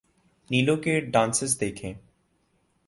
نیلو کے ڈانسز دیکھیں۔